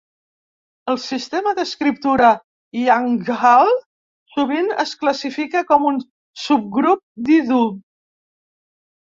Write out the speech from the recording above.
El sistema d'escriptura "hyangchal" sovint es classifica com un subgrup d'idu.